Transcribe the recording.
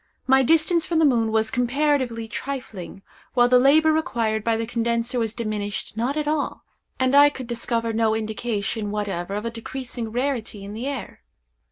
My distance from the moon was comparatively trifling, while the labor required by the condenser was diminished not at all, and I could discover no indication whatever of a decreasing rarity in the air.